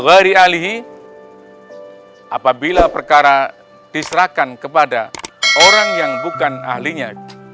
apabila perkara diserahkan kepada orang yang bukan ahlinya